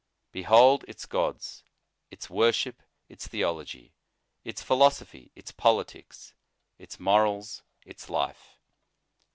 Behold its gods, its worship, its theology, its philosophy, its politics, its morals, its life.